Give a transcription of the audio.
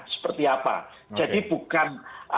seperti apa jadi bukan